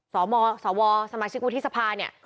สวสวสมาชิกวุฒิสภาเนี่ย